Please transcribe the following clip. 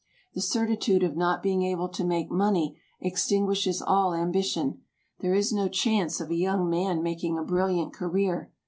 The certitude of not being able to make money extinguishes all ambition ; there is no chance of a young man making a brilliant career.